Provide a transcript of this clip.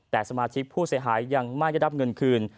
แต่สมาชิกผู้เสียหายยังไม่ได้รับเงินคืน